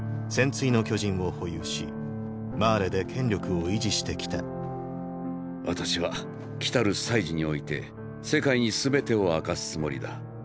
「戦鎚の巨人」を保有しマーレで権力を維持してきた私は来る「祭事」において世界にすべてを明かすつもりだ。